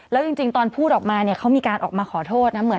แล้วจริงตอนพูดออกมาเนี่ยเขามีการออกมาขอโทษนะเหมือน